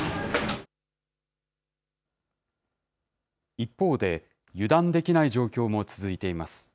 一方で、油断できない状況も続いています。